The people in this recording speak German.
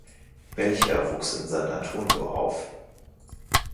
Belcher wuchs in San Antonio auf.